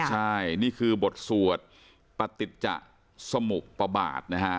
ใช่นี่คือบทสวดปฏิจะสมุปบาทนะฮะ